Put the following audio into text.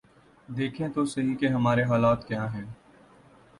دیکھیں تو سہی کہ ہماری حالت کیا ہے۔